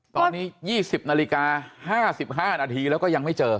ตอนนี้๒๐นาฬิกา๕๕นาทีแล้วก็ยังไม่เจอ